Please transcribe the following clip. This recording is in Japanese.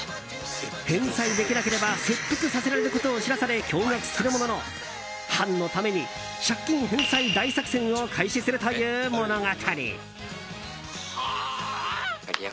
返済できなければ切腹させられることを知らされ驚愕するものの、藩のために借金返済大作戦を開始するという物語。